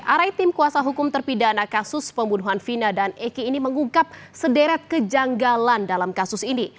arai tim kuasa hukum terpidana kasus pembunuhan vina dan eki ini mengungkap sederet kejanggalan dalam kasus ini